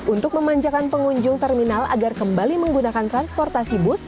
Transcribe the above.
untuk memanjakan pengunjung terminal agar kembali menggunakan transportasi bus